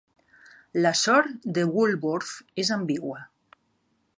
La sort de Bulworth és ambigua.